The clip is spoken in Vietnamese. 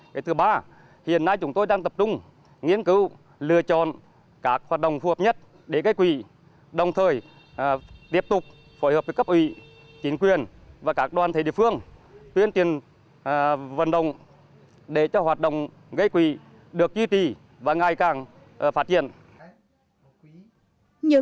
vì thứ ba hiện nay chúng tôi đang tập trung nghiên cứu lựa chọn các hoạt động phù hợp nhất để gây quỷ đồng thời tiếp tục phối hợp với cấp ủy chính quyền và các đoàn thể địa phương tuyên truyền vận động để cho hoạt động gây quỷ được duy trì và ngày càng phát triển